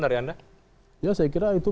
dari anda ya saya kira itu